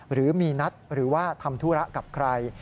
หรือมีนัดหรือว่าทำธุระกับใคร